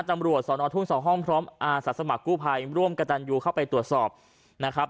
ตำรวจสอนอทุ่งสองห้องพร้อมอาสาสมัครกู้ภัยร่วมกระตันยูเข้าไปตรวจสอบนะครับ